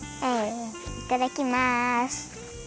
いただきます！